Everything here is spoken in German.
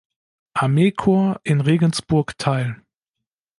Armeekorps in Regensburg teil.